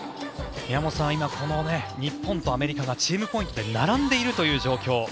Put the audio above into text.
宮本さん、今、日本とアメリカがチームポイントで並んでいるという状況。